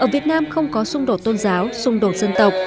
ở việt nam không có xung đột tôn giáo xung đột dân tộc